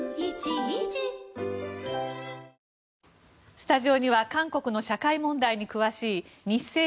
スタジオには韓国の社会問題に詳しいニッセイ